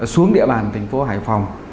xuống địa bàn thành phố hải phòng